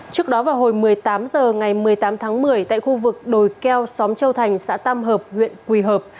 trước đó vào hồi một mươi tám h ngày một mươi tám tháng một mươi tại khu vực đồi keo xóm châu thành xã tam hợp huyện quỳ hợp